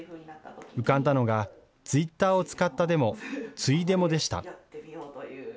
浮かんだのがツイッターを使ったデモ、ツイデモでした。